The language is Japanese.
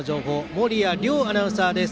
守屋瞭アナウンサーです。